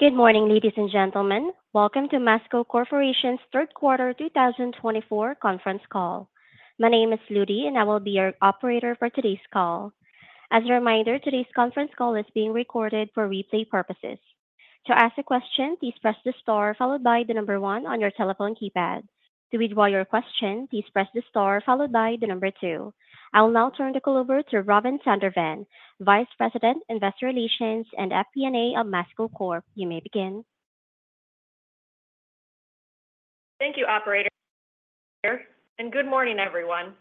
Good morning, ladies and gentlemen. Welcome to Masco Corporation's Third Quarter 2024 Conference Call. My name is Ludi, and I will be your operator for today's call. As a reminder, today's conference call is being recorded for replay purposes. To ask a question, please press the star followed by the number one on your telephone keypad. To withdraw your question, please press the star followed by the number two. I will now turn the call over to Robin Zondervan, Vice President, Investor Relations and FP&A of Masco Corp. You may begin. Thank you, Operator, and good morning, everyone.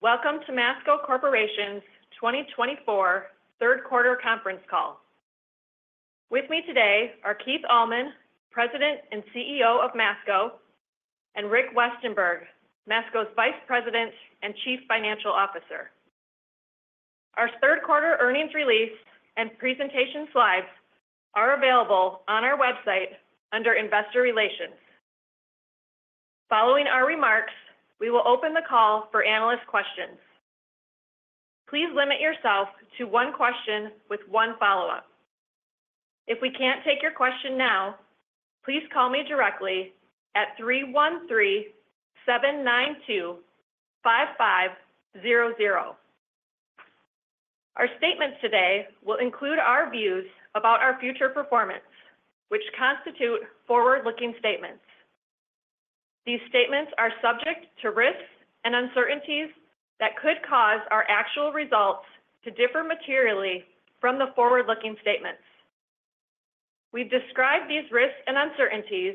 Welcome to Masco Corporation's 2024 Third Quarter Conference Call. With me today are Keith Allman, President and CEO of Masco, and Rick Westenberg, Masco's Vice President and Chief Financial Officer. Our Third Quarter earnings release and presentation slides are available on our website under Investor Relations. Following our remarks, we will open the call for analyst questions. Please limit yourself to one question with one follow-up. If we can't take your question now, please call me directly at 313-792-5500. Our statements today will include our views about our future performance, which constitute forward-looking statements. These statements are subject to risks and uncertainties that could cause our actual results to differ materially from the forward-looking statements. We describe these risks and uncertainties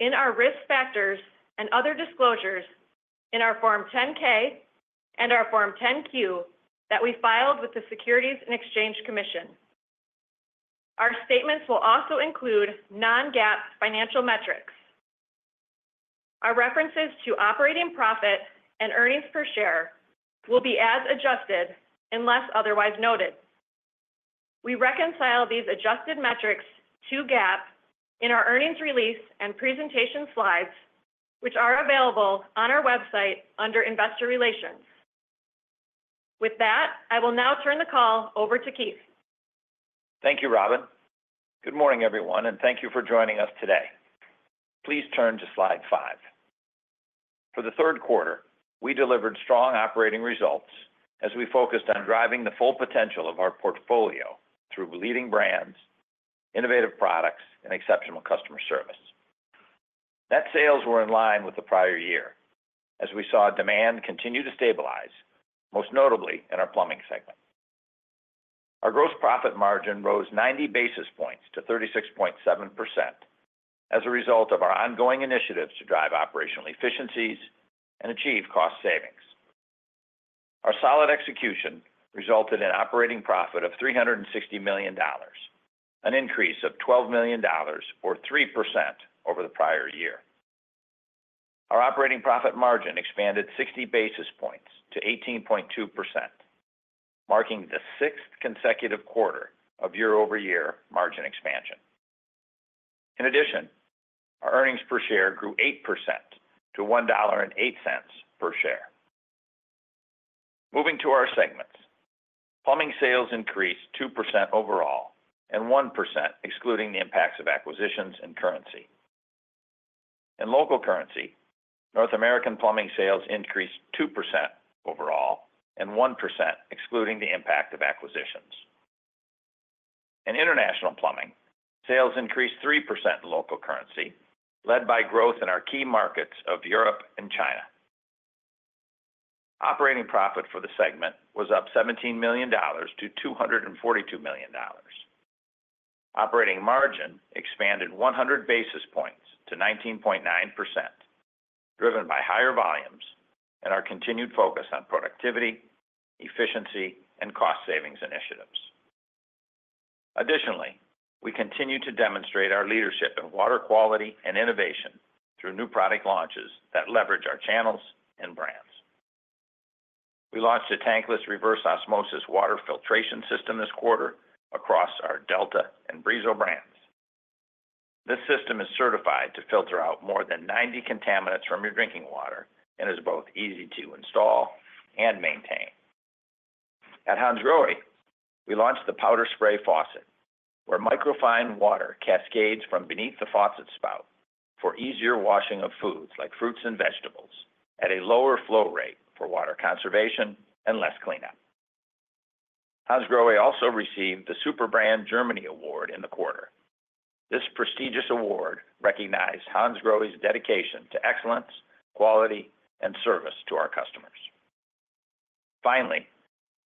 in our risk factors and other disclosures in our Form 10-K and our Form 10-Q that we filed with the Securities and Exchange Commission. Our statements will also include non-GAAP financial metrics. Our references to operating profit and earnings per share will be as adjusted unless otherwise noted. We reconcile these adjusted metrics to GAAP in our earnings release and presentation slides, which are available on our website under Investor Relations. With that, I will now turn the call over to Keith. Thank you, Robin. Good morning, everyone, and thank you for joining us today. Please turn to slide five. For the third quarter, we delivered strong operating results as we focused on driving the full potential of our portfolio through leading brands, innovative products, and exceptional customer service. Net sales were in line with the prior year as we saw demand continue to stabilize, most notably in our plumbing segment. Our gross profit margin rose 90 basis points to 36.7% as a result of our ongoing initiatives to drive operational efficiencies and achieve cost savings. Our solid execution resulted in operating profit of $360 million, an increase of $12 million, or 3% over the prior year. Our operating profit margin expanded 60 basis points to 18.2%, marking the sixth consecutive quarter of year-over-year margin expansion. In addition, our earnings per share grew 8% to $1.08 per share. Moving to our segments, plumbing sales increased 2% overall and 1% excluding the impacts of acquisitions in currency. In local currency, North American plumbing sales increased 2% overall and 1% excluding the impact of acquisitions. In international plumbing, sales increased 3% in local currency, led by growth in our key markets of Europe and China. Operating profit for the segment was up $17 million to $242 million. Operating margin expanded 100 basis points to 19.9%, driven by higher volumes and our continued focus on productivity, efficiency, and cost savings initiatives. Additionally, we continue to demonstrate our leadership in water quality and innovation through new product launches that leverage our channels and brands. We launched a tankless reverse osmosis water filtration system this quarter across our Delta and Brizo brands. This system is certified to filter out more than 90 contaminants from your drinking water and is both easy to install and maintain. At Hansgrohe, we launched the powder spray faucet, where microfine water cascades from beneath the faucet spout for easier washing of foods like fruits and vegetables at a lower flow rate for water conservation and less cleanup. Hansgrohe also received the Superbrand Germany Award in the quarter. This prestigious award recognized Hansgrohe's dedication to excellence, quality, and service to our customers. Finally,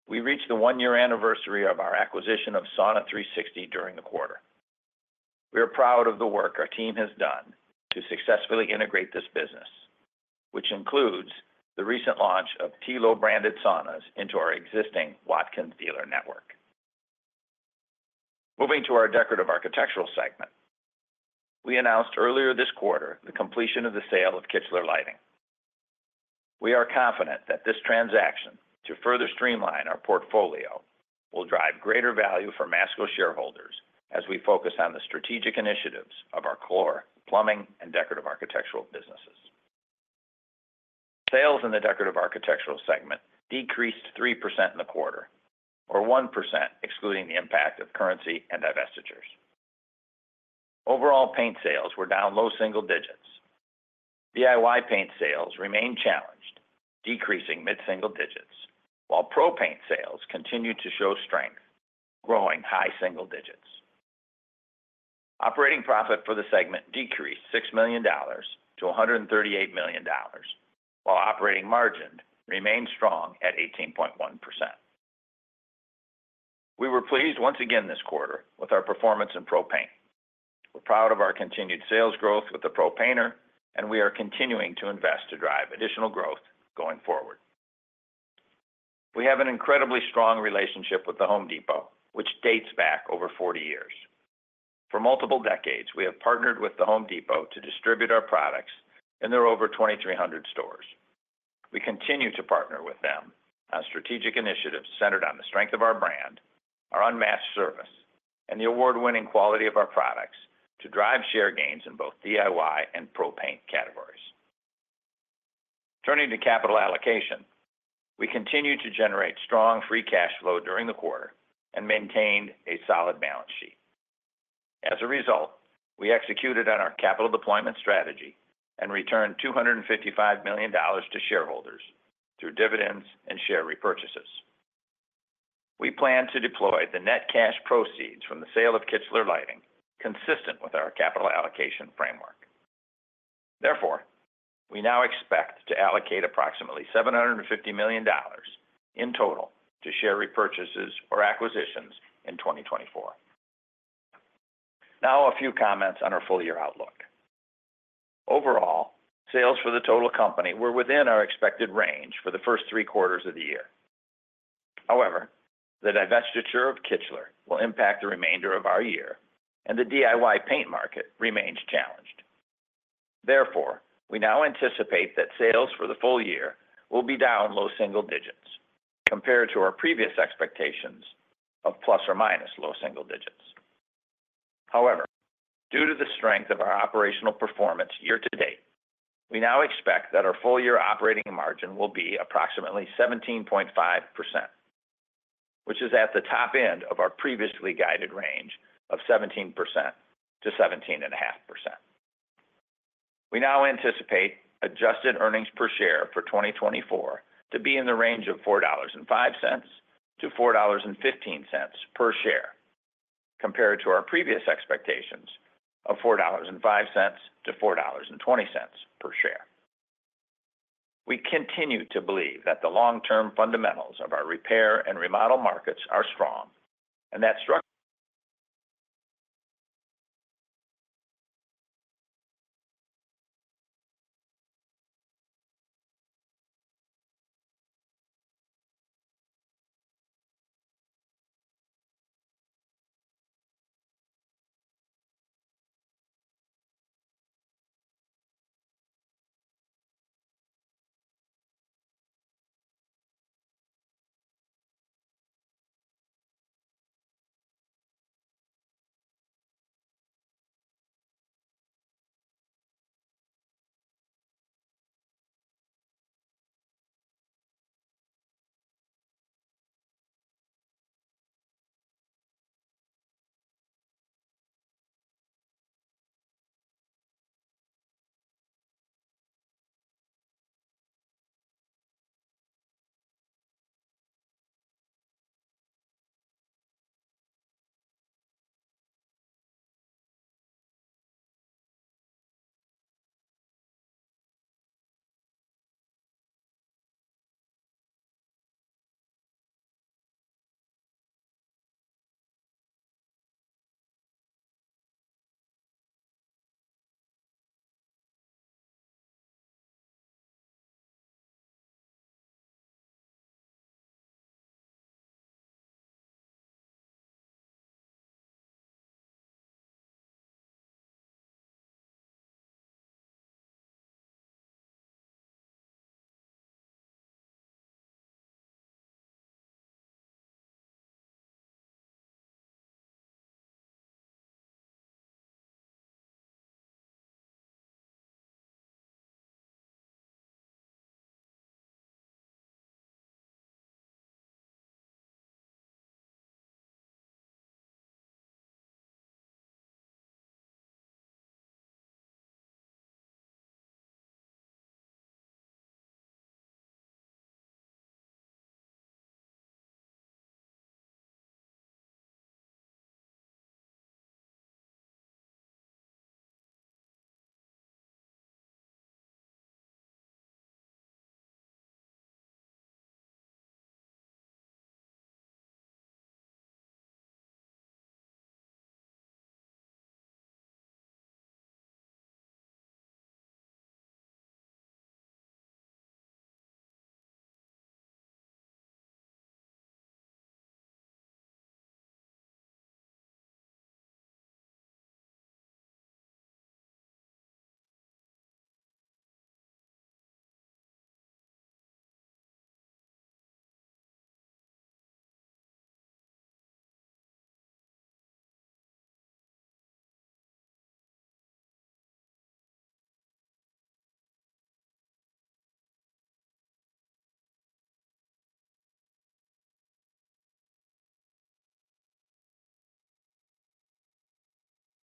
we reached the one-year anniversary of our acquisition of Sauna360 during the quarter. We are proud of the work our team has done to successfully integrate this business, which includes the recent launch of Tylö branded saunas into our existing Watkins dealer network. Moving to our decorative architectural segment, we announced earlier this quarter the completion of the sale of Kichler Lighting. We are confident that this transaction, to further streamline our portfolio, will drive greater value for Masco shareholders as we focus on the strategic initiatives of our core plumbing and decorative architectural businesses. Sales in the decorative architectural segment decreased 3% in the quarter, or 1% excluding the impact of currency and divestitures. Overall, paint sales were down low single digits. DIY paint sales remain challenged, decreasing mid-single digits, while pro paint sales continue to show strength, growing high single digits. Operating profit for the segment decreased $6 million to $138 million, while operating margin remained strong at 18.1%. We were pleased once again this quarter with our performance in pro paint. We're proud of our continued sales growth with the pro painter, and we are continuing to invest to drive additional growth going forward. We have an incredibly strong relationship with The Home Depot, which dates back over 40 years. For multiple decades, we have partnered with The Home Depot to distribute our products in their over 2,300 stores. We continue to partner with them on strategic initiatives centered on the strength of our brand, our unmatched service, and the award-winning quality of our products to drive share gains in both DIY and pro paint categories. Turning to capital allocation, we continue to generate strong free cash flow during the quarter and maintained a solid balance sheet. As a result, we executed on our capital deployment strategy and returned $255 million to shareholders through dividends and share repurchases. We plan to deploy the net cash proceeds from the sale of Kichler Lighting consistent with our capital allocation framework. Therefore, we now expect to allocate approximately $750 million in total to share repurchases or acquisitions in 2024. Now, a few comments on our full year outlook. Overall, sales for the total company were within our expected range for the first three quarters of the year. However, the divestiture of Kichler will impact the remainder of our year, and the DIY paint market remains challenged. Therefore, we now anticipate that sales for the full year will be down low single digits compared to our previous expectations of plus or minus low single digits. However, due to the strength of our operational performance year to date, we now expect that our full year operating margin will be approximately 17.5%, which is at the top end of our previously guided range of 17%-17.5%. We now anticipate adjusted earnings per share for 2024 to be in the range of $4.05-$4.15 per share compared to our previous expectations of $4.05-$4.20 per share. We continue to believe that the long-term fundamentals of our repair and remodel markets are strong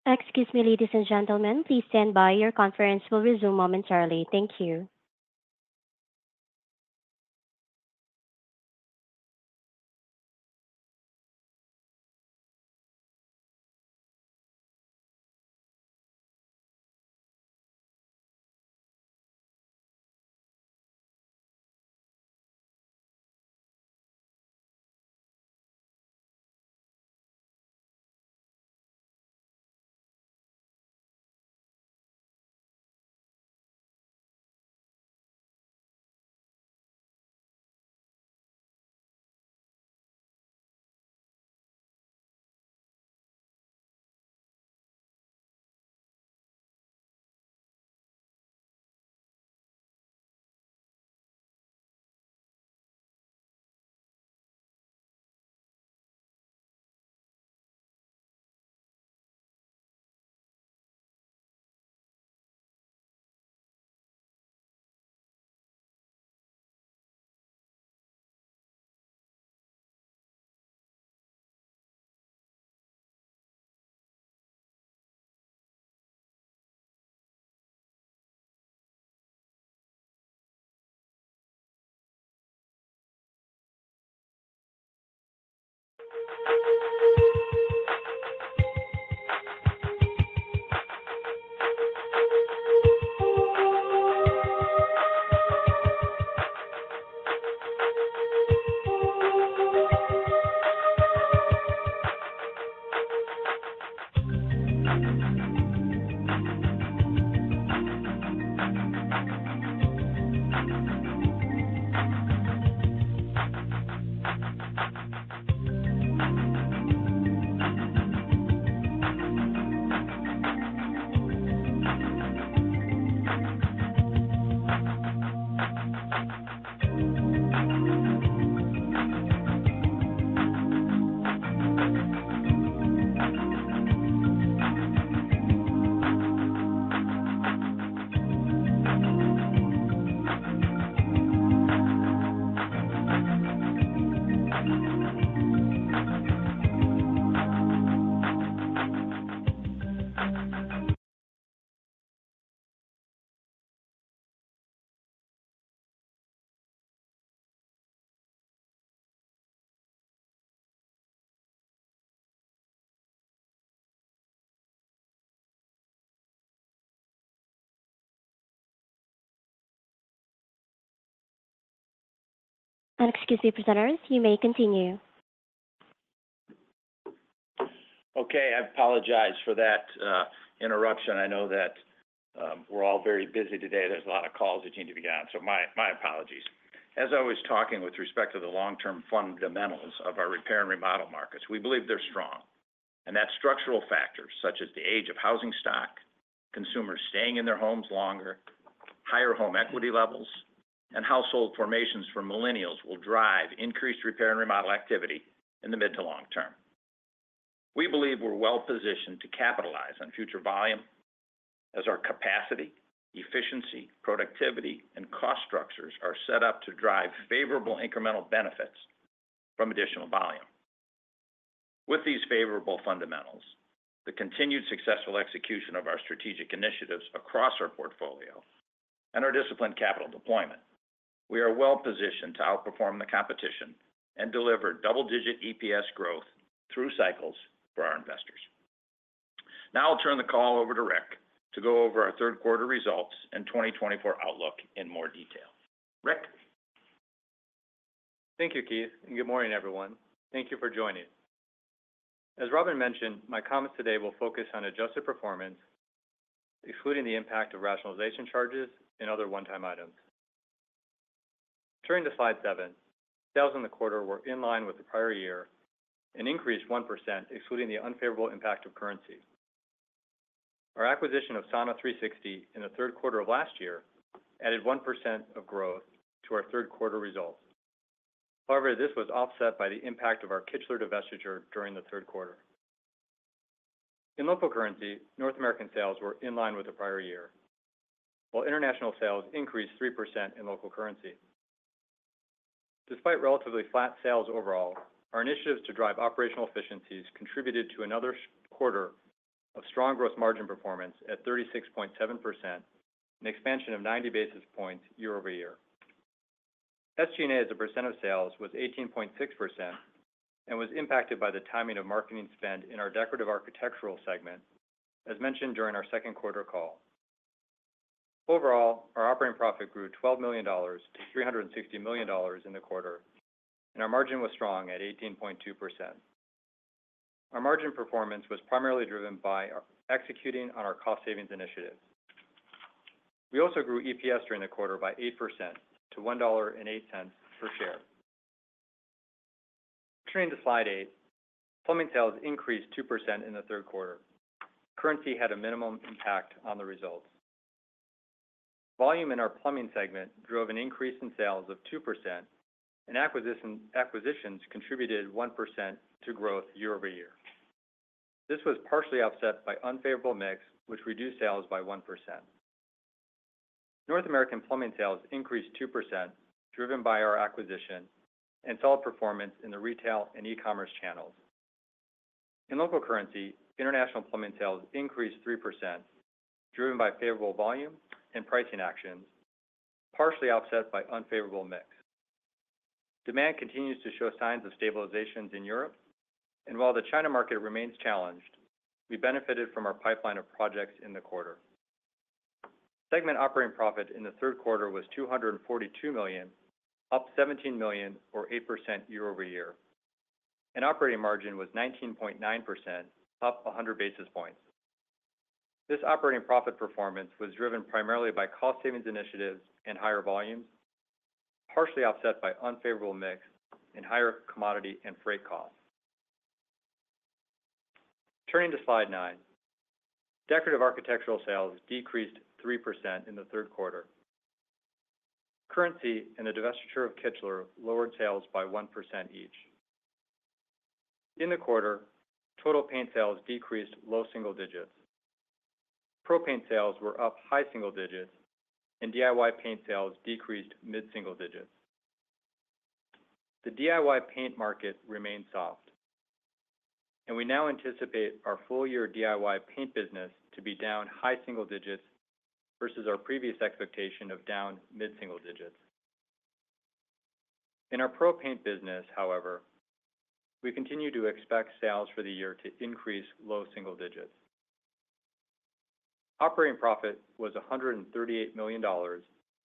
and that structure. Thanks, Keith. Please stand by. Your conference will resume momentarily. Thank you. Excuse me, presenters. You may continue. Okay. I apologize for that interruption. I know that we're all very busy today. There's a lot of calls that need to be gone, so my apologies. As I was talking with respect to the long-term fundamentals of our repair and remodel markets, we believe they're strong, and that structural factors such as the age of housing stock, consumers staying in their homes longer, higher home equity levels, and household formations for millennials will drive increased repair and remodel activity in the mid to long term. We believe we're well positioned to capitalize on future volume as our capacity, efficiency, productivity, and cost structures are set up to drive favorable incremental benefits from additional volume. With these favorable fundamentals, the continued successful execution of our strategic initiatives across our portfolio and our disciplined capital deployment, we are well positioned to outperform the competition and deliver double-digit EPS growth through cycles for our investors. Now I'll turn the call over to Rick to go over our third quarter results and 2024 outlook in more detail. Rick. Thank you, Keith. Good morning, everyone. Thank you for joining. As Robin mentioned, my comments today will focus on adjusted performance, excluding the impact of rationalization charges and other one-time items. Turning to slide seven, sales in the quarter were in line with the prior year and increased 1%, excluding the unfavorable impact of currency. Our acquisition of Sauna360 in the third quarter of last year added 1% of growth to our third quarter results. However, this was offset by the impact of our Kichler divestiture during the third quarter. In local currency, North American sales were in line with the prior year, while international sales increased 3% in local currency. Despite relatively flat sales overall, our initiatives to drive operational efficiencies contributed to another quarter of strong gross margin performance at 36.7% and expansion of 90 basis points year-over-year. SG&A as a % of sales was 18.6% and was impacted by the timing of marketing spend in our decorative architectural segment, as mentioned during our second quarter call. Overall, our operating profit grew $12 million to $360 million in the quarter, and our margin was strong at 18.2%. Our margin performance was primarily driven by executing on our cost savings initiatives. We also grew EPS during the quarter by 8% to $1.08 per share. Turning to slide eight, plumbing sales increased 2% in the third quarter. Currency had a minimum impact on the results. Volume in our plumbing segment drove an increase in sales of 2%, and acquisitions contributed 1% to growth year-over-year. This was partially offset by unfavorable mix, which reduced sales by 1%. North American plumbing sales increased 2%, driven by our acquisition and solid performance in the retail and e-commerce channels. In local currency, international plumbing sales increased 3%, driven by favorable volume and pricing actions, partially offset by unfavorable mix. Demand continues to show signs of stabilization in Europe, and while the China market remains challenged, we benefited from our pipeline of projects in the quarter. Segment operating profit in the third quarter was $242 million, up $17 million, or 8% year-over-year, and operating margin was 19.9%, up 100 basis points. This operating profit performance was driven primarily by cost savings initiatives and higher volumes, partially offset by unfavorable mix and higher commodity and freight costs. Turning to slide nine, decorative architectural sales decreased 3% in the third quarter. Currency and the divestiture of Kichler lowered sales by 1% each. In the quarter, total paint sales decreased low single digits. Pro paint sales were up high single digits, and DIY paint sales decreased mid single digits. The DIY paint market remained soft, and we now anticipate our full year DIY paint business to be down high single digits versus our previous expectation of down mid single digits. In our pro paint business, however, we continue to expect sales for the year to increase low single digits. Operating profit was $138 million,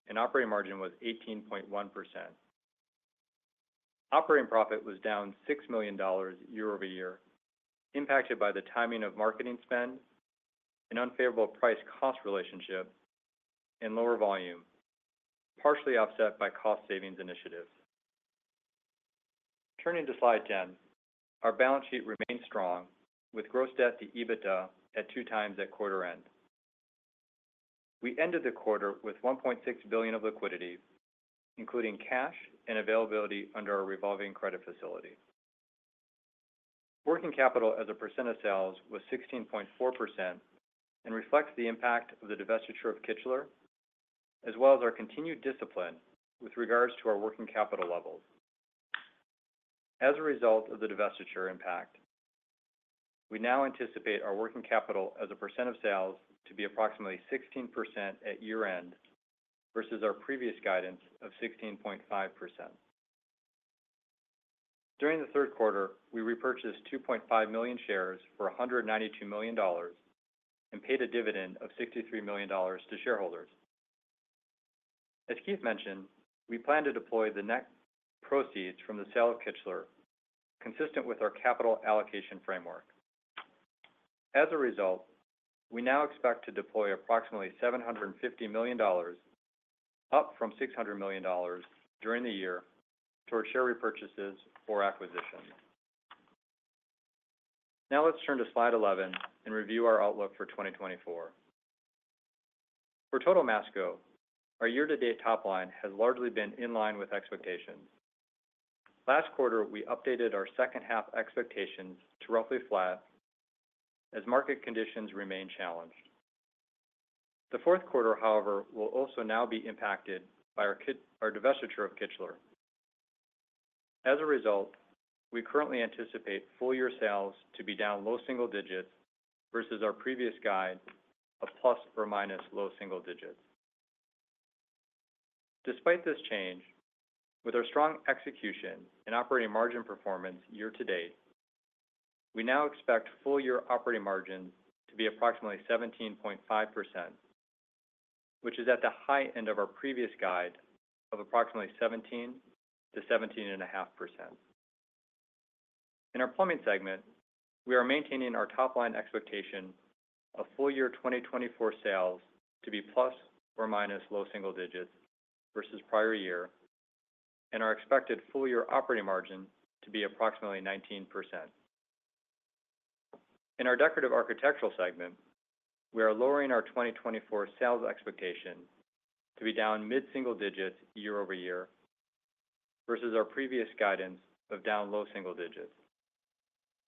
and operating margin was 18.1%. Operating profit was down $6 million year-over-year, impacted by the timing of marketing spend, an unfavorable price-cost relationship, and lower volume, partially offset by cost savings initiatives. Turning to slide 10, our balance sheet remained strong with gross debt-to-EBITDA at two times at quarter end. We ended the quarter with $1.6 billion of liquidity, including cash and availability under our revolving credit facility. Working capital as a % of sales was 16.4% and reflects the impact of the divestiture of Kichler, as well as our continued discipline with regards to our working capital levels. As a result of the divestiture impact, we now anticipate our working capital as a % of sales to be approximately 16% at year end versus our previous guidance of 16.5%. During the third quarter, we repurchased 2.5 million shares for $192 million and paid a dividend of $63 million to shareholders. As Keith mentioned, we plan to deploy the net proceeds from the sale of Kichler consistent with our capital allocation framework. As a result, we now expect to deploy approximately $750 million, up from $600 million during the year, toward share repurchases or acquisitions. Now let's turn to slide 11 and review our outlook for 2024. For Total Masco, our year-to-date top line has largely been in line with expectations. Last quarter, we updated our second-half expectations to roughly flat as market conditions remain challenged. The fourth quarter, however, will also now be impacted by our divestiture of Kichler. As a result, we currently anticipate full year sales to be down low single digits versus our previous guide, a plus or minus low single digits. Despite this change, with our strong execution and operating margin performance year to date, we now expect full year operating margins to be approximately 17.5%, which is at the high end of our previous guide of approximately 17%-17.5%. In our plumbing segment, we are maintaining our top line expectation of full year 2024 sales to be plus or minus low single digits versus prior year, and our expected full year operating margin to be approximately 19%. In our decorative architectural segment, we are lowering our 2024 sales expectation to be down mid single digits year-over-year versus our previous guidance of down low single digits,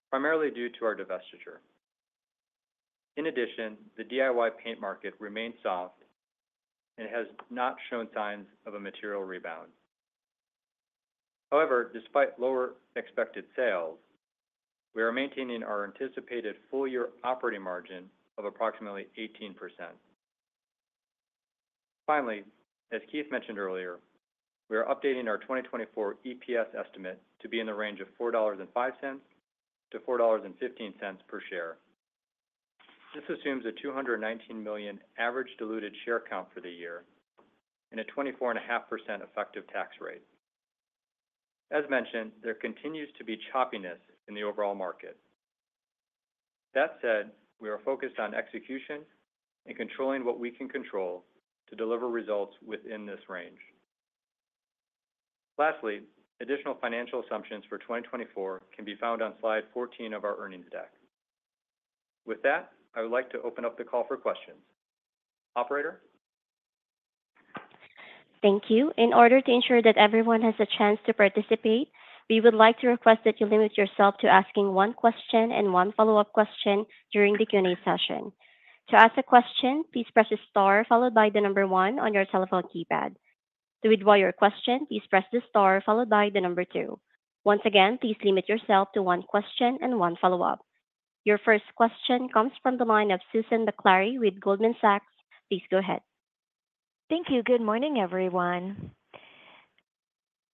primarily due to our divestiture. In addition, the DIY paint market remains soft and has not shown signs of a material rebound. However, despite lower expected sales, we are maintaining our anticipated full year operating margin of approximately 18%. Finally, as Keith mentioned earlier, we are updating our 2024 EPS estimate to be in the range of $4.05 to $4.15 per share. This assumes a 219 million average diluted share count for the year and a 24.5% effective tax rate. As mentioned, there continues to be choppiness in the overall market. That said, we are focused on execution and controlling what we can control to deliver results within this range. Lastly, additional financial assumptions for 2024 can be found on slide 14 of our earnings deck. With that, I would like to open up the call for questions. Operator. Thank you. In order to ensure that everyone has a chance to participate, we would like to request that you limit yourself to asking one question and one follow-up question during the Q&A session. To ask a question, please press the star followed by the number one on your telephone keypad. To withdraw your question, please press the star followed by the number two. Once again, please limit yourself to one question and one follow-up. Your first question comes from the line of Susan Maklari with Goldman Sachs. Please go ahead. Thank you. Good morning, everyone.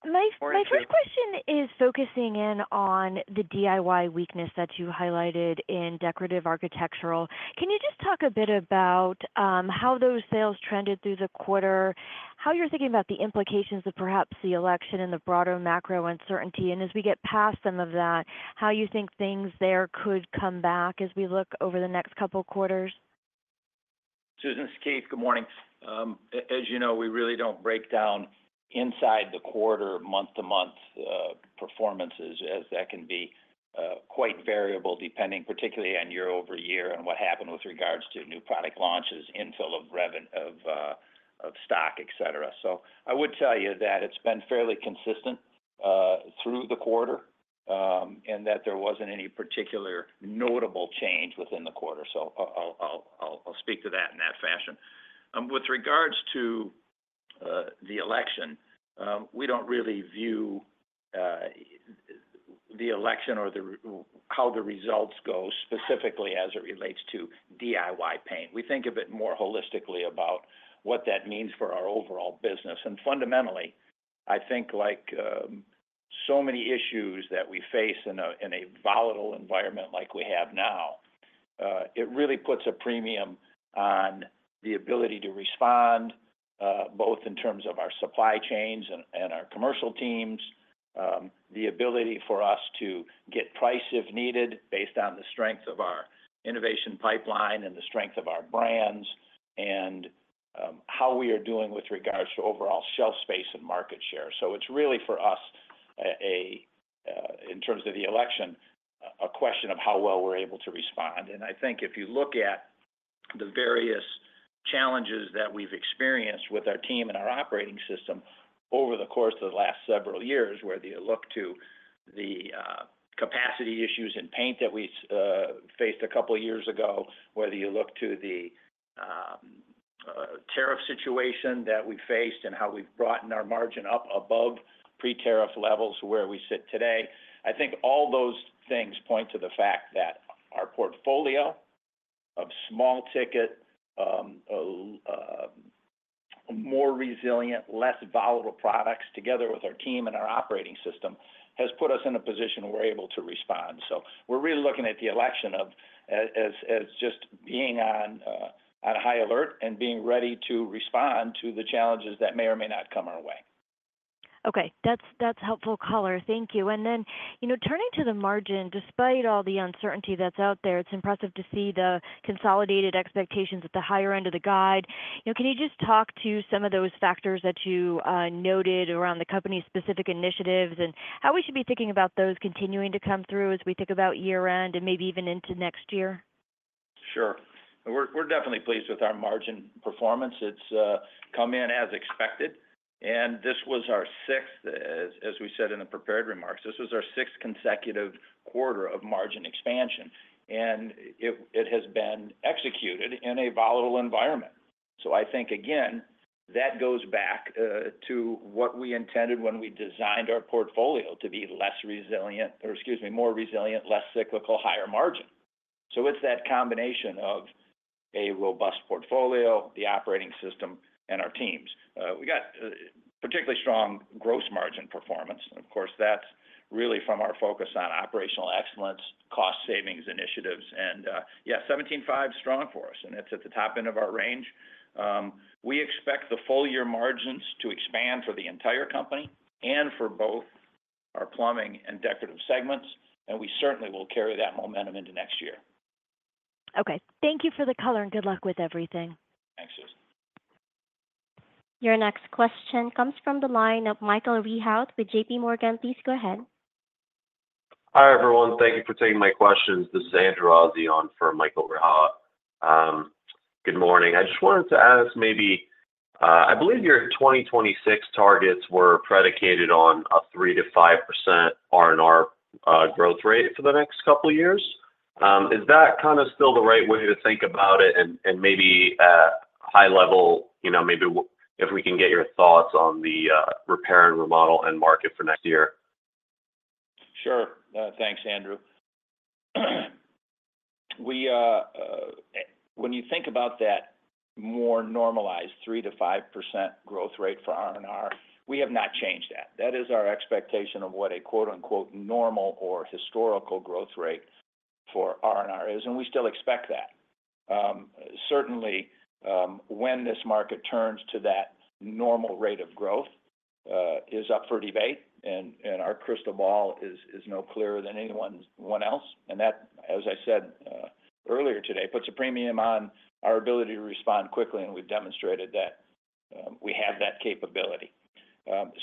My first question is focusing in on the DIY weakness that you highlighted in decorative architectural. Can you just talk a bit about how those sales trended through the quarter, how you're thinking about the implications of perhaps the election and the broader macro uncertainty, and as we get past some of that, how you think things there could come back as we look over the next couple of quarters? Susan, it's Keith. Good morning. As you know, we really don't break down inside the quarter month-to-month performances as that can be quite variable depending particularly on year-over-year and what happened with regards to new product launches, infill of stock, etc. So I would tell you that it's been fairly consistent through the quarter and that there wasn't any particular notable change within the quarter. So I'll speak to that in that fashion. With regards to the election, we don't really view the election or how the results go specifically as it relates to DIY paint. We think of it more holistically about what that means for our overall business. Fundamentally, I think like so many issues that we face in a volatile environment like we have now, it really puts a premium on the ability to respond both in terms of our supply chains and our commercial teams, the ability for us to get price if needed based on the strength of our innovation pipeline and the strength of our brands and how we are doing with regards to overall shelf space and market share. It's really for us, in terms of the election, a question of how well we're able to respond. And I think if you look at the various challenges that we've experienced with our team and our operating system over the course of the last several years, whether you look to the capacity issues in paint that we faced a couple of years ago, whether you look to the tariff situation that we faced and how we've brought our margin up above pre-tariff levels where we sit today, I think all those things point to the fact that our portfolio of small ticket, more resilient, less volatile products together with our team and our operating system has put us in a position where we're able to respond. So we're really looking at the election as just being on high alert and being ready to respond to the challenges that may or may not come our way. Okay. That's helpful color. Thank you. And then turning to the margin, despite all the uncertainty that's out there, it's impressive to see the consolidated expectations at the higher end of the guide. Can you just talk to some of those factors that you noted around the company-specific initiatives and how we should be thinking about those continuing to come through as we think about year-end and maybe even into next year? Sure. We're definitely pleased with our margin performance. It's come in as expected. And this was our sixth, as we said in the prepared remarks, this was our sixth consecutive quarter of margin expansion. And it has been executed in a volatile environment. So I think, again, that goes back to what we intended when we designed our portfolio to be less resilient or, excuse me, more resilient, less cyclical, higher margin. So it's that combination of a robust portfolio, the operating system, and our teams. We got particularly strong gross margin performance. And of course, that's really from our focus on operational excellence, cost savings initiatives. And yeah, 17.5% is strong for us, and it's at the top end of our range. We expect the full year margins to expand for the entire company and for both our plumbing and decorative segments. We certainly will carry that momentum into next year. Okay. Thank you for the color and good luck with everything. Thanks, Susan. Your next question comes from the line of Michael Rehaut with JPMorgan. Please go ahead. Hi everyone. Thank you for taking my questions. This is Andrew Azzi for Michael Rehaut. Good morning. I just wanted to ask maybe, I believe your 2026 targets were predicated on a 3%-5% R&R growth rate for the next couple of years. Is that kind of still the right way to think about it? And maybe at a high level, maybe if we can get your thoughts on the repair and remodel end market for next year. Sure. Thanks, Andrew. When you think about that more normalized 3%-5% growth rate for R&R, we have not changed that. That is our expectation of what a "normal" or historical growth rate for R&R is. And we still expect that. Certainly, when this market turns to that normal rate of growth, it is up for debate. And our crystal ball is no clearer than anyone else. And that, as I said earlier today, puts a premium on our ability to respond quickly. And we've demonstrated that we have that capability.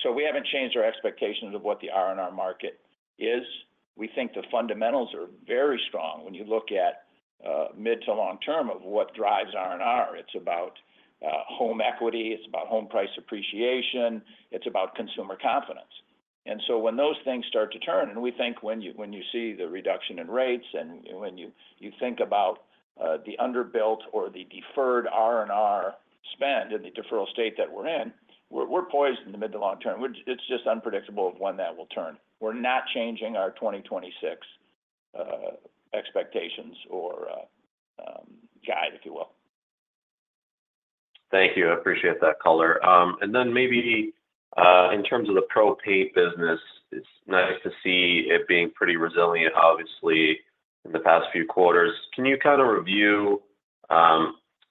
So we haven't changed our expectations of what the R&R market is. We think the fundamentals are very strong when you look at mid to long term of what drives R&R. It's about home equity. It's about home price appreciation. It's about consumer confidence. And so when those things start to turn, and we think when you see the reduction in rates and when you think about the underbuilt or the deferred R&R spend and the deferral state that we're in, we're poised in the mid to long term. It's just unpredictable when that will turn. We're not changing our 2026 expectations or guide, if you will. Thank you. I appreciate that color. And then maybe in terms of the pro paint business, it's nice to see it being pretty resilient, obviously, in the past few quarters. Can you kind of review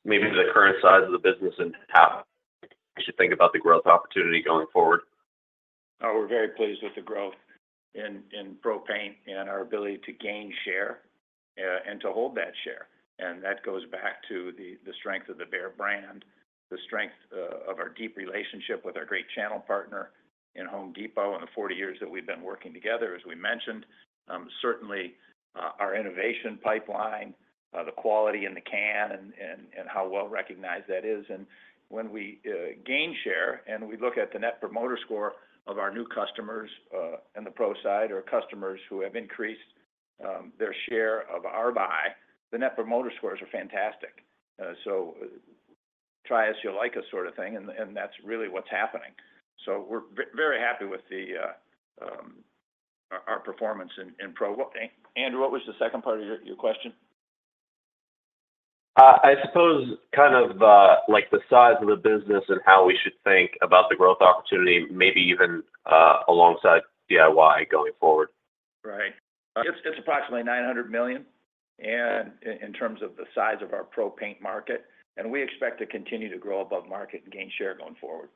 maybe the current size of the business and how you should think about the growth opportunity going forward? We're very pleased with the growth in paint and our ability to gain share and to hold that share. And that goes back to the strength of the Behr brand, the strength of our deep relationship with our great channel partner Home Depot and the 40 years that we've been working together, as we mentioned. Certainly, our innovation pipeline, the quality in the can and how well recognized that is. And when we gain share and we look at the Net Promoter Score of our new customers in the pro side or customers who have increased their share of our buy, the Net Promoter Scores are fantastic. So try us, you'll like us sort of thing. And that's really what's happening. So we're very happy with our performance in pro. Andrew, what was the second part of your question? I suppose kind of like the size of the business and how we should think about the growth opportunity, maybe even alongside DIY going forward. Right. It's approximately $900 million in terms of the size of our pro paint market, and we expect to continue to grow above market and gain share going forward.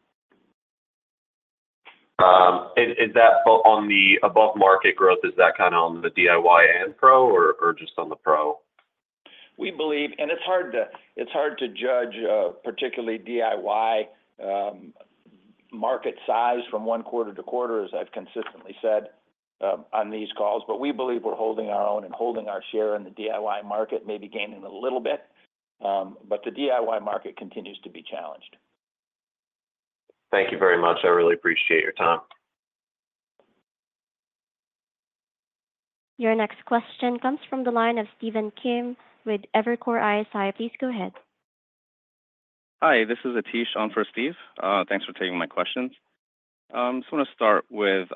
Is that on the above market growth? Is that kind of on the DIY and pro or just on the pro? We believe, and it's hard to judge particularly DIY market size from one quarter to quarter, as I've consistently said on these calls. But we believe we're holding our own and holding our share in the DIY market, maybe gaining a little bit. But the DIY market continues to be challenged. Thank you very much. I really appreciate your time. Your next question comes from the line of Stephen Kim with Evercore ISI. Please go ahead. Hi, this is Aatish on for Stephen. Thanks for taking my questions. I just want to start with,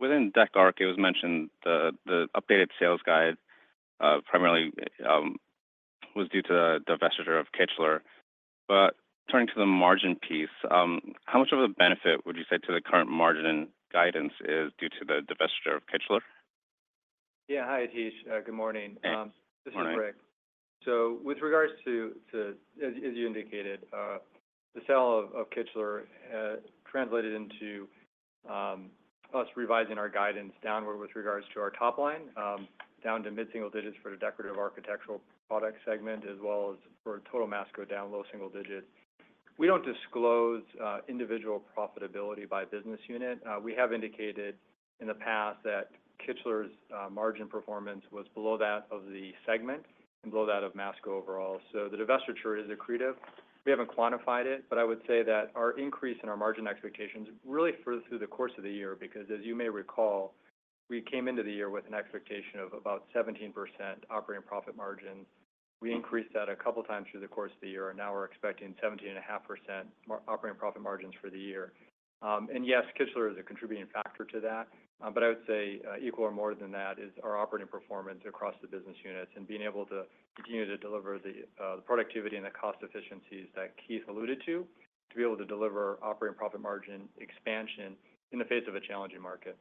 within the deck, it was mentioned the updated sales guide primarily was due to the divestiture of Kichler. But turning to the margin piece, how much of a benefit would you say to the current margin guidance is due to the divestiture of Kichler? Yeah. Hi, Aatish. Good morning. Good morning. This is Rick. So with regards to, as you indicated, the sale of Kichler translated into us revising our guidance downward with regards to our top line, down to mid-single digits for the decorative architectural product segment, as well as for total Masco down, low single digits. We don't disclose individual profitability by business unit. We have indicated in the past that Kichler's margin performance was below that of the segment and below that of Masco overall. So the divestiture is accretive. We haven't quantified it, but I would say that our increase in our margin expectations really furthered through the course of the year because, as you may recall, we came into the year with an expectation of about 17% operating profit margins. We increased that a couple of times through the course of the year. And now we're expecting 17.5% operating profit margins for the year. And yes, Kichler is a contributing factor to that. But I would say equal or more than that is our operating performance across the business units and being able to continue to deliver the productivity and the cost efficiencies that Keith alluded to, to be able to deliver operating profit margin expansion in the face of a challenging market.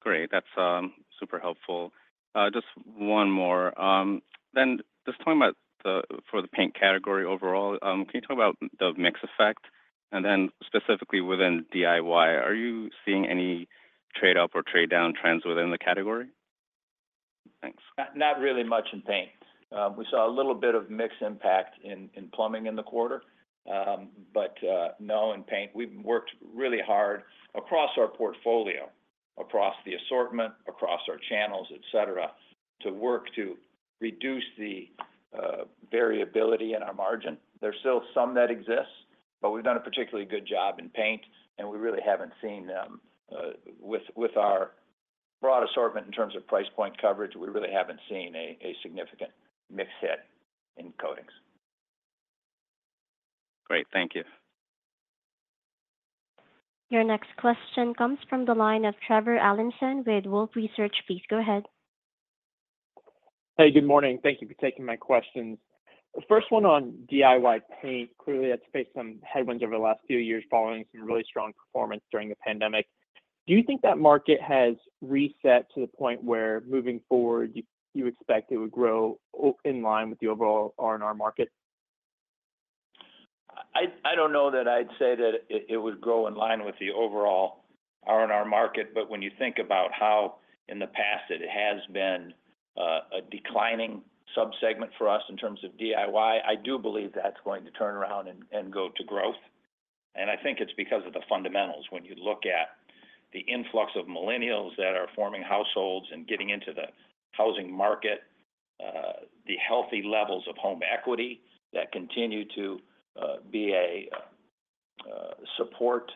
Great. That's super helpful. Just one more. Then just talking about for the paint category overall, can you talk about the mix effect? And then specifically within DIY, are you seeing any trade-up or trade-down trends within the category? Thanks. Not really much in paint. We saw a little bit of mixed impact in plumbing in the quarter, but no in paint. We've worked really hard across our portfolio, across the assortment, across our channels, etc., to work to reduce the variability in our margin. There's still some that exists, but we've done a particularly good job in paint. And we really haven't seen, with our broad assortment in terms of price point coverage, we really haven't seen a significant mix hit in coatings. Great. Thank you. Your next question comes from the line of Trevor Allinson with Wolfe Research. Please go ahead. Hey, good morning. Thank you for taking my questions. The first one on DIY paint, clearly had to face some headwinds over the last few years following some really strong performance during the pandemic. Do you think that market has reset to the point where moving forward you expect it would grow in line with the overall R&R market? I don't know that I'd say that it would grow in line with the overall R&R market. But when you think about how in the past it has been a declining subsegment for us in terms of DIY, I do believe that's going to turn around and go to growth. And I think it's because of the fundamentals. When you look at the influx of millennials that are forming households and getting into the housing market, the healthy levels of home equity that continue to be a support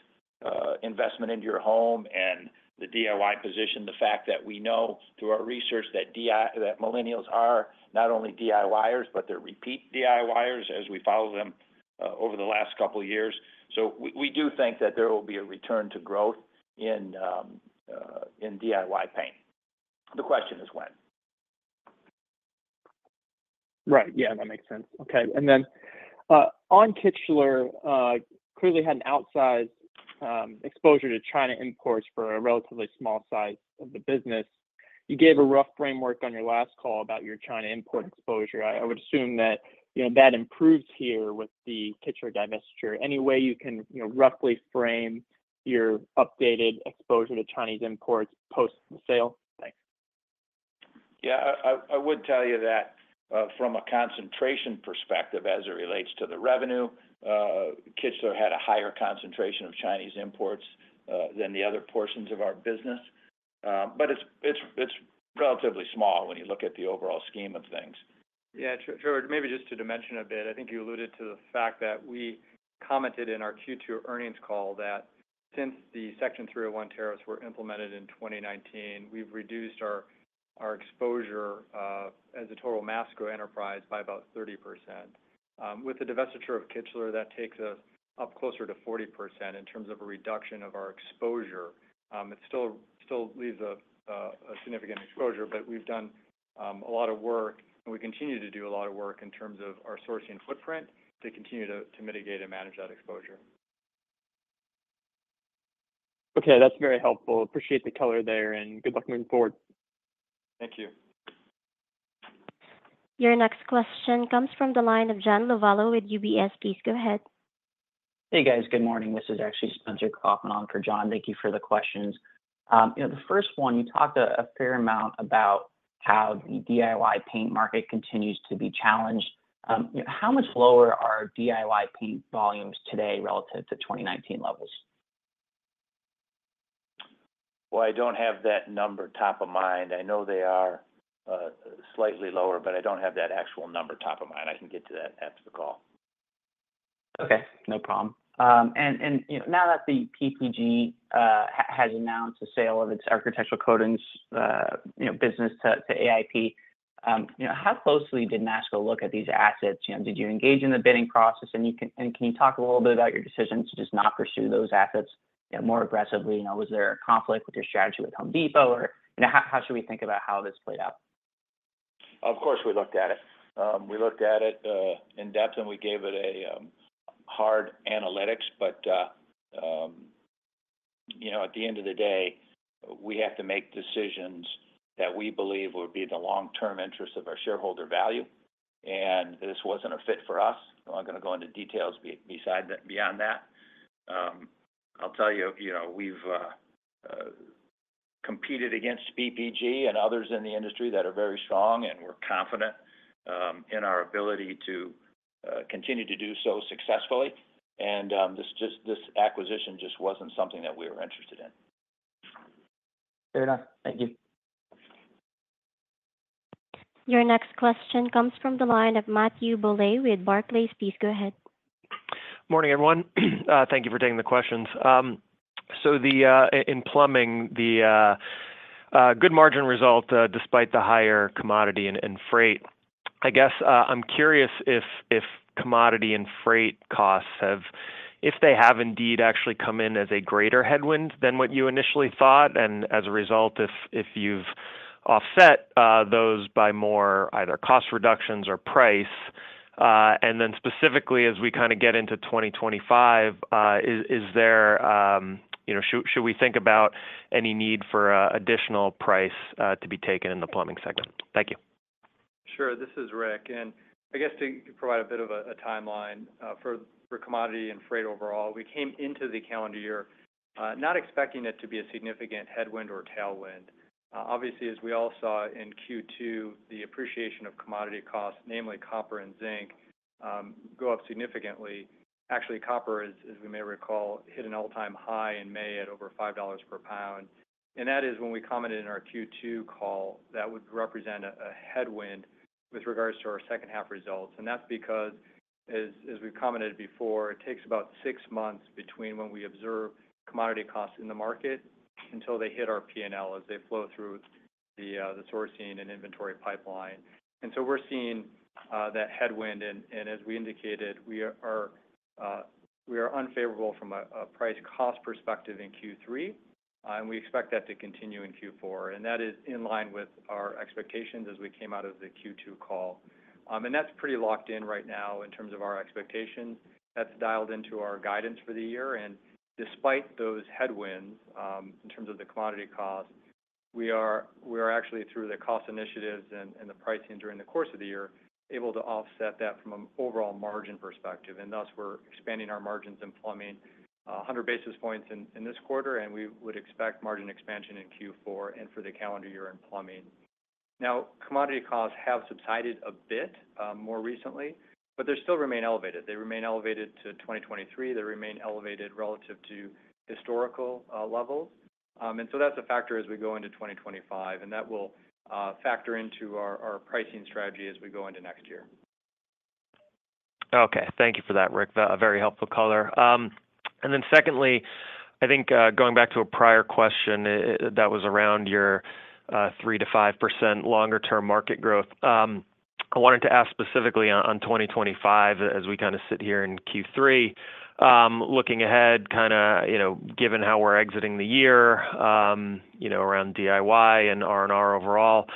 investment into your home and the DIY position, the fact that we know through our research that millennials are not only DIYers, but they're repeat DIYers as we follow them over the last couple of years. So we do think that there will be a return to growth in DIY paint. The question is when. Right. Yeah, that makes sense. Okay. And then on Kichler, clearly had an outsized exposure to China imports for a relatively small size of the business. You gave a rough framework on your last call about your China import exposure. I would assume that that improves here with the Kichler divestiture. Any way you can roughly frame your updated exposure to Chinese imports post-sale? Thanks. Yeah. I would tell you that from a concentration perspective as it relates to the revenue, Kichler had a higher concentration of Chinese imports than the other portions of our business. But it's relatively small when you look at the overall scheme of things. Yeah. Sure, maybe just to dimension a bit, I think you alluded to the fact that we commented in our Q2 earnings call that since the Section 301 tariffs were implemented in 2019, we've reduced our exposure as a total Masco enterprise by about 30%. With the divestiture of Kichler, that takes us up closer to 40% in terms of a reduction of our exposure. It still leaves a significant exposure, but we've done a lot of work, and we continue to do a lot of work in terms of our sourcing footprint to continue to mitigate and manage that exposure. Okay. That's very helpful. Appreciate the color there. And good luck moving forward. Thank you. Your next question comes from the line of John Lovallo with UBS. Please go ahead. Hey, guys. Good morning. This is actually Spencer Kaufman on for John. Thank you for the questions. The first one, you talked a fair amount about how the DIY paint market continues to be challenged. How much lower are DIY paint volumes today relative to 2019 levels? I don't have that number top of mind. I know they are slightly lower, but I don't have that actual number top of mind. I can get to that after the call. Okay. No problem. And now that the PPG has announced the sale of its architectural coatings business to AIP, how closely did Masco look at these assets? Did you engage in the bidding process? And can you talk a little bit about your decision to just not pursue those assets more aggressively? Was there a conflict with your strategy with Home Depot? Or how should we think about how this played out? Of course, we looked at it. We looked at it in depth, and we gave it a hard analysis. But at the end of the day, we have to make decisions that we believe would be the long-term interest of our shareholder value. And this wasn't a fit for us. I'm not going to go into details beyond that. I'll tell you, we've competed against PPG and others in the industry that are very strong. And we're confident in our ability to continue to do so successfully. And this acquisition just wasn't something that we were interested in. Fair enough. Thank you. Your next question comes from the line of Matthew Bouley with Barclays. Please go ahead. Morning, everyone. Thank you for taking the questions. So in plumbing, the good margin result despite the higher commodity and freight. I guess I'm curious if commodity and freight costs, if they have indeed actually come in as a greater headwind than what you initially thought. And as a result, if you've offset those by more either cost reductions or price. And then specifically, as we kind of get into 2025, is there, should we think about any need for additional price to be taken in the plumbing segment? Thank you. Sure. This is Rick. And I guess to provide a bit of a timeline for commodity and freight overall, we came into the calendar year not expecting it to be a significant headwind or tailwind. Obviously, as we all saw in Q2, the appreciation of commodity costs, namely copper and zinc, go up significantly. Actually, copper, as we may recall, hit an all-time high in May at over $5 per pound. And that is when we commented in our Q2 call that would represent a headwind with regards to our second-half results. And that's because, as we've commented before, it takes about six months between when we observe commodity costs in the market until they hit our P&L as they flow through the sourcing and inventory pipeline. And so we're seeing that headwind. And as we indicated, we are unfavorable from a price-cost perspective in Q3. And we expect that to continue in Q4. And that is in line with our expectations as we came out of the Q2 call. And that's pretty locked in right now in terms of our expectations. That's dialed into our guidance for the year. And despite those headwinds in terms of the commodity costs, we are actually, through the cost initiatives and the pricing during the course of the year, able to offset that from an overall margin perspective. And thus, we're expanding our margins in plumbing 100 basis points in this quarter. And we would expect margin expansion in Q4 and for the calendar year in plumbing. Now, commodity costs have subsided a bit more recently, but they still remain elevated. They remain elevated to 2023. They remain elevated relative to historical levels. And so that's a factor as we go into 2025. That will factor into our pricing strategy as we go into next year. Okay. Thank you for that, Rick. A very helpful color. And then secondly, I think going back to a prior question that was around your 3%-5% longer-term market growth, I wanted to ask specifically on 2025, as we kind of sit here in Q3, looking ahead, kind of given how we're exiting the year around DIY and R&R overall,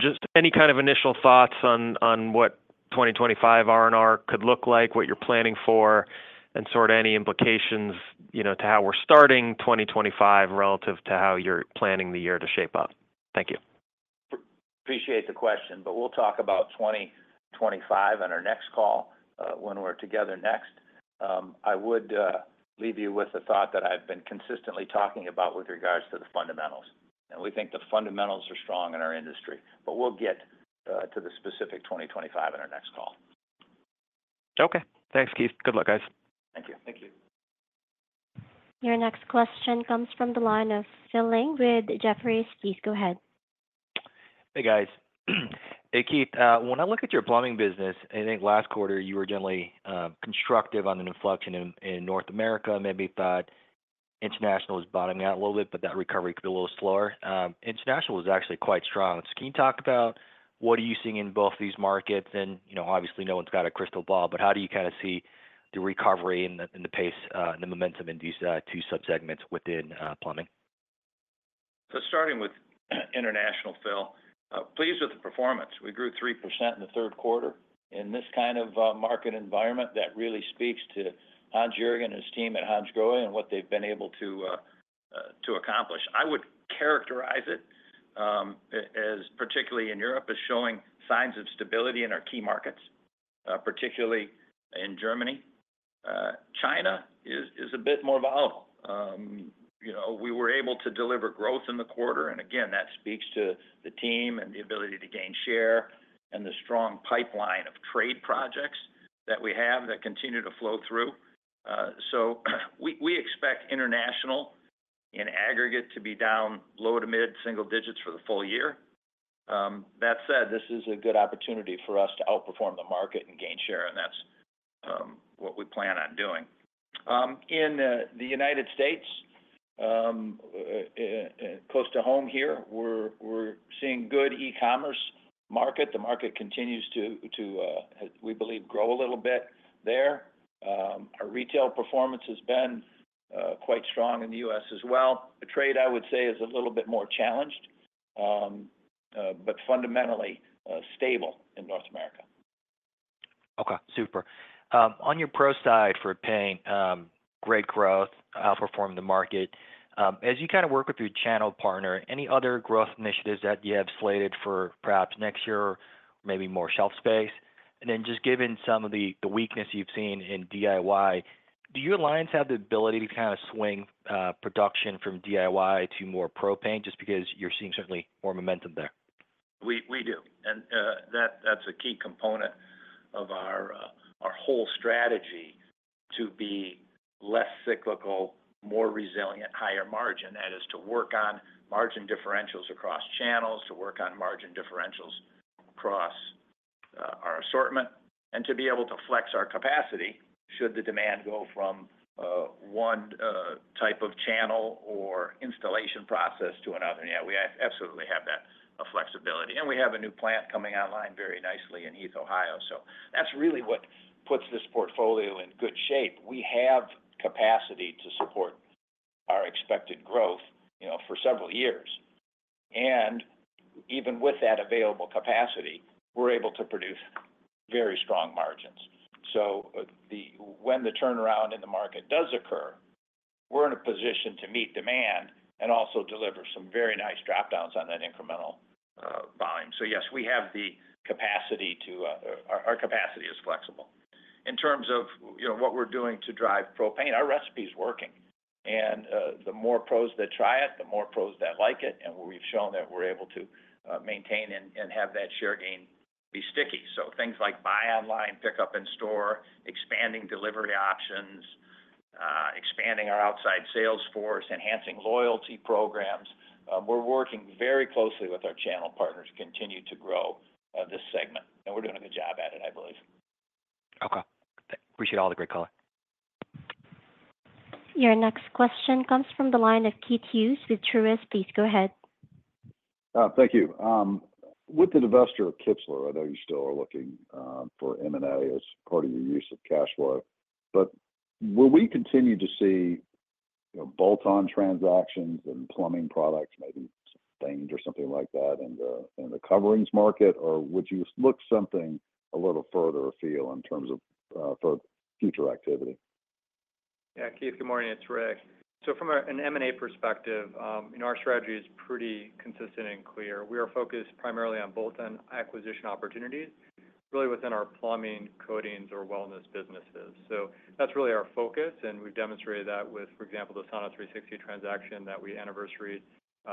just any kind of initial thoughts on what 2025 R&R could look like, what you're planning for, and sort of any implications to how we're starting 2025 relative to how you're planning the year to shape up. Thank you. Appreciate the question. But we'll talk about 2025 on our next call when we're together next. I would leave you with a thought that I've been consistently talking about with regards to the fundamentals. And we think the fundamentals are strong in our industry. But we'll get to the specific 2025 on our next call. Okay. Thanks, Keith. Good luck, guys. Thank you. Thank you. Your next question comes from the line of Phil Ng with Jefferies. Please go ahead. Hey, guys. Hey, Keith. When I look at your plumbing business, I think last quarter you were generally constructive on the inflection in North America. Maybe thought international was bottoming out a little bit, but that recovery could be a little slower. International was actually quite strong. So can you talk about what are you seeing in both these markets? And obviously, no one's got a crystal ball, but how do you kind of see the recovery and the pace and the momentum in these two subsegments within plumbing? Starting with international, Phil, pleased with the performance. We grew 3% in the third quarter. In this kind of market environment, that really speaks to Hans-Juergen and his team at Hansgrohe and what they've been able to accomplish. I would characterize it, particularly in Europe, as showing signs of stability in our key markets, particularly in Germany. China is a bit more volatile. We were able to deliver growth in the quarter. And again, that speaks to the team and the ability to gain share and the strong pipeline of trade projects that we have that continue to flow through. So we expect international in aggregate to be down low to mid single digits for the full year. That said, this is a good opportunity for us to outperform the market and gain share. And that's what we plan on doing. In the United States, close to home here, we're seeing good e-commerce market. The market continues to, we believe, grow a little bit there. Our retail performance has been quite strong in the US as well. The trade, I would say, is a little bit more challenged but fundamentally stable in North America. Okay. Super. On your pro side for paint, great growth, outperformed the market. As you kind of work with your channel partner, any other growth initiatives that you have slated for perhaps next year or maybe more shelf space? And then just given some of the weakness you've seen in DIY, do your lines have the ability to kind of swing production from DIY to more pro paint just because you're seeing certainly more momentum there? We do. And that's a key component of our whole strategy to be less cyclical, more resilient, higher margin. That is to work on margin differentials across channels, to work on margin differentials across our assortment, and to be able to flex our capacity should the demand go from one type of channel or installation process to another. Yeah, we absolutely have that flexibility. And we have a new plant coming online very nicely in Heath, Ohio. So that's really what puts this portfolio in good shape. We have capacity to support our expected growth for several years. And even with that available capacity, we're able to produce very strong margins. So when the turnaround in the market does occur, we're in a position to meet demand and also deliver some very nice dropdowns on that incremental volume. So yes, we have the capacity. Our capacity is flexible. In terms of what we're doing to drive pro paint, our recipe is working, and the more pros that try it, the more pros that like it. We've shown that we're able to maintain and have that share gain be sticky, so things like buy online, pick up in store, expanding delivery options, expanding our outside sales force, enhancing loyalty programs. We're working very closely with our channel partners to continue to grow this segment, and we're doing a good job at it, I believe. Okay. Appreciate all the great color. Your next question comes from the line of Keith Hughes with Truist. Please go ahead. Thank you. With the divestiture of Kichler, I know you still are looking for M&A as part of your use of cash flow. But will we continue to see bolt-on transactions and plumbing products, maybe spas or something like that, in the coatings market? Or would you look something a little further afield in terms of future activity? Yeah. Keith, good morning. It's Rick. So from an M&A perspective, our strategy is pretty consistent and clear. We are focused primarily on bolt-on acquisition opportunities, really within our plumbing, coatings, or wellness businesses. So that's really our focus. And we've demonstrated that with, for example, the Sauna360 transaction that we anniversary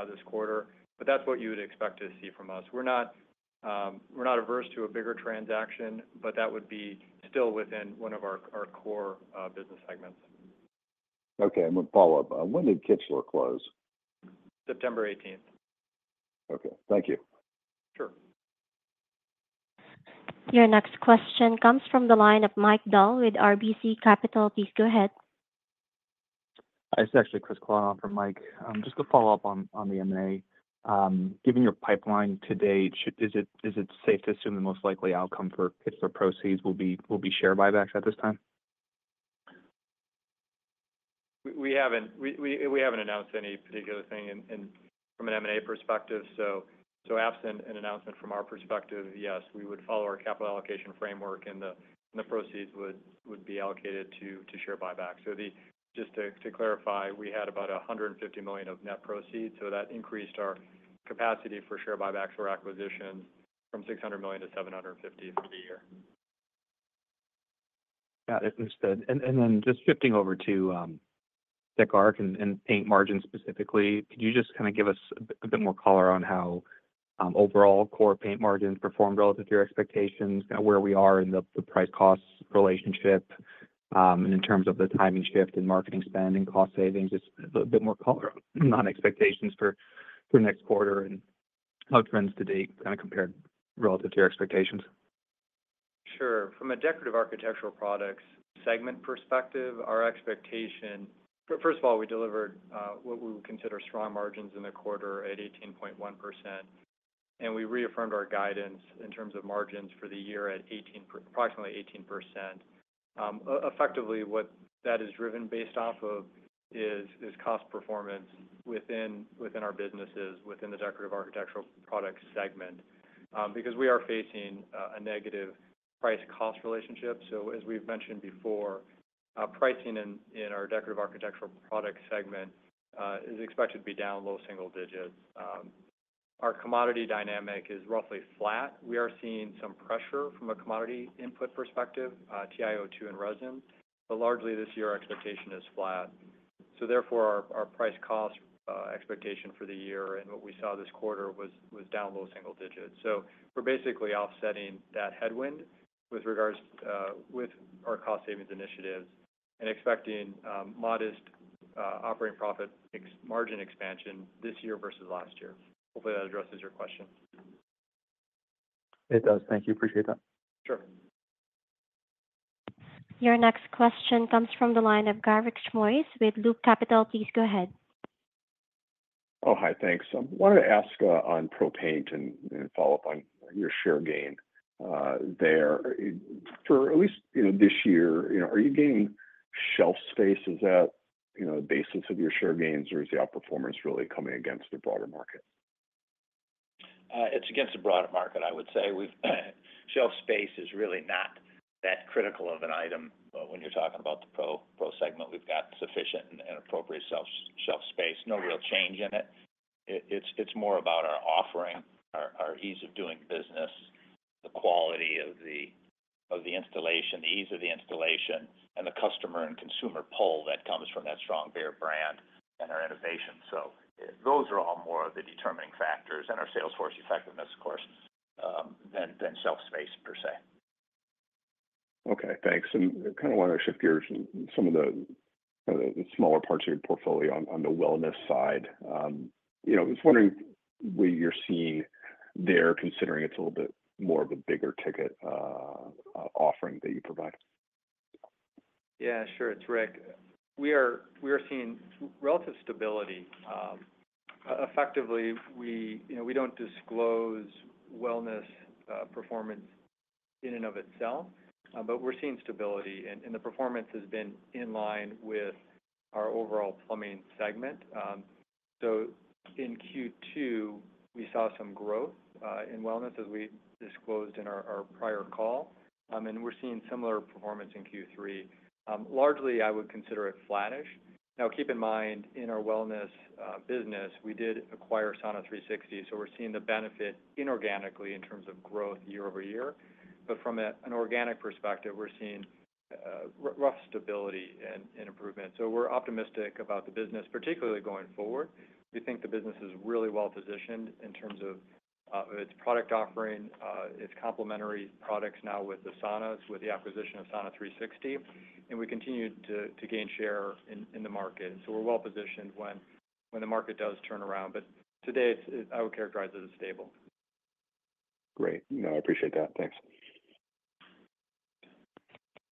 this quarter. But that's what you would expect to see from us. We're not averse to a bigger transaction, but that would be still within one of our core business segments. Okay. And one follow-up. When did Kichler close? September 18th. Okay. Thank you. Sure. Your next question comes from the line of Mike Dahl with RBC Capital. Please go ahead. Hi. It's actually Chris Kalata from Mike. Just a follow-up on the M&A. Given your pipeline to date, is it safe to assume the most likely outcome for Kichler proceeds will be share buybacks at this time? We haven't announced any particular thing from an M&A perspective. So absent an announcement from our perspective, yes, we would follow our capital allocation framework, and the proceeds would be allocated to share buybacks. So just to clarify, we had about $150 million of net proceeds. So that increased our capacity for share buybacks or acquisitions from $600 million to $750 million for the year. Got it. Understood. And then just shifting over to Behr and paint margin specifically, could you just kind of give us a bit more color on how overall core paint margins performed relative to your expectations, kind of where we are in the price-cost relationship, and in terms of the timing shift in marketing spend and cost savings, just a bit more color on expectations for next quarter and how trends to date kind of compared relative to your expectations? Sure. From a decorative architectural products segment perspective, our expectation first of all, we delivered what we would consider strong margins in the quarter at 18.1%, and we reaffirmed our guidance in terms of margins for the year at approximately 18%. Effectively, what that is driven based off of is cost performance within our businesses, within the decorative architectural product segment, because we are facing a negative price-cost relationship. As we've mentioned before, pricing in our decorative architectural product segment is expected to be down low single digits. Our commodity dynamic is roughly flat. We are seeing some pressure from a commodity input perspective, TiO2 and resin. But largely this year, our expectation is flat. Therefore, our price-cost expectation for the year and what we saw this quarter was down low single digits. So we're basically offsetting that headwind with our cost savings initiatives and expecting modest operating profit margin expansion this year versus last year. Hopefully, that addresses your question. It does. Thank you. Appreciate that. Sure. Your next question comes from the line of Garik Shmois with Loop Capital. Please go ahead. Oh, hi. Thanks. I wanted to ask on pro paint and follow up on your share gain there. For at least this year, are you gaining shelf space? Is that the basis of your share gains, or is the outperformance really coming against the broader market? It's against the broader market, I would say. Shelf space is really not that critical of an item. But when you're talking about the pro segment, we've got sufficient and appropriate shelf space. No real change in it. It's more about our offering, our ease of doing business, the quality of the installation, the ease of the installation, and the customer and consumer pull that comes from that strong Behr brand and our innovation. So those are all more of the determining factors and our sales force effectiveness, of course, than shelf space per se. Okay. Thanks. And kind of wanted to shift gears in some of the smaller parts of your portfolio on the wellness side. I was wondering where you're seeing there, considering it's a little bit more of a bigger ticket offering that you provide? Yeah. Sure. It's Rick. We are seeing relative stability. Effectively, we don't disclose wellness performance in and of itself, but we're seeing stability. And the performance has been in line with our overall plumbing segment. So in Q2, we saw some growth in wellness as we disclosed in our prior call. And we're seeing similar performance in Q3. Largely, I would consider it flattish. Now, keep in mind, in our wellness business, we did acquire Sauna360. So we're seeing the benefit inorganically in terms of growth year-over-year. But from an organic perspective, we're seeing rough stability and improvement. So we're optimistic about the business, particularly going forward. We think the business is really well positioned in terms of its product offering. It's complementary products now with the saunas, with the acquisition of Sauna360. And we continue to gain share in the market. So we're well positioned when the market does turn around. Today, I would characterize it as stable. Great. No, I appreciate that. Thanks.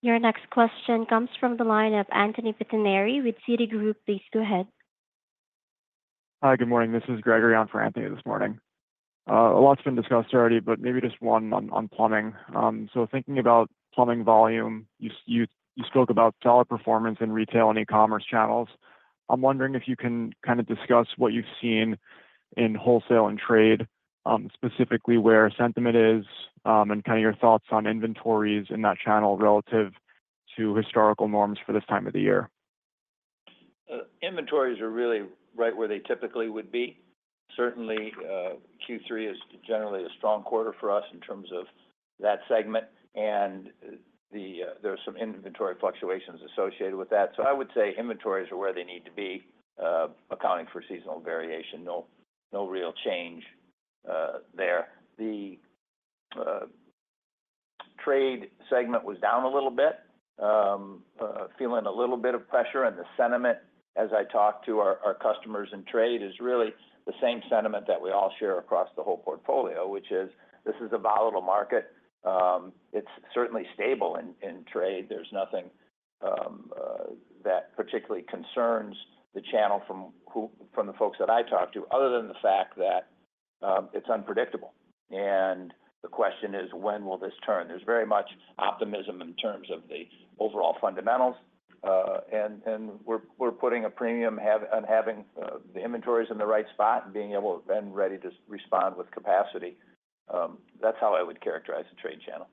Your next question comes from the line of Anthony Pettinari with Citi. Please go ahead. Hi. Good morning. This is Gregory on for Anthony this morning. A lot's been discussed already, but maybe just one on plumbing. So thinking about plumbing volume, you spoke about solid performance in retail and e-commerce channels. I'm wondering if you can kind of discuss what you've seen in wholesale and trade, specifically where sentiment is and kind of your thoughts on inventories in that channel relative to historical norms for this time of the year. Inventories are really right where they typically would be. Certainly, Q3 is generally a strong quarter for us in terms of that segment. And there are some inventory fluctuations associated with that. So I would say inventories are where they need to be, accounting for seasonal variation. No real change there. The trade segment was down a little bit, feeling a little bit of pressure. And the sentiment, as I talk to our customers in trade, is really the same sentiment that we all share across the whole portfolio, which is this is a volatile market. It's certainly stable in trade. There's nothing that particularly concerns the channel from the folks that I talk to, other than the fact that it's unpredictable. And the question is, when will this turn? There's very much optimism in terms of the overall fundamentals. We're putting a premium on having the inventories in the right spot and being able to be ready to respond with capacity. That's how I would characterize the trade channel.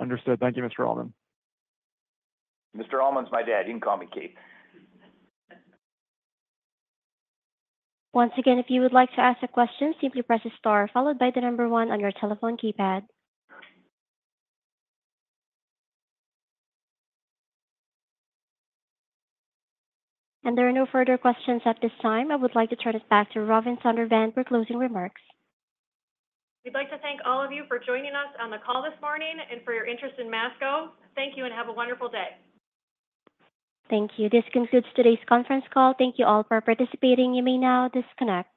Understood. Thank you, Mr. Allman. Mr. Allman's my dad. You can call me Keith. Once again, if you would like to ask a question, simply press the star followed by the number one on your telephone keypad. And there are no further questions at this time. I would like to turn it back to Robin Zondervan for closing remarks. We'd like to thank all of you for joining us on the call this morning and for your interest in Masco. Thank you and have a wonderful day. Thank you. This concludes today's conference call. Thank you all for participating. You may now disconnect.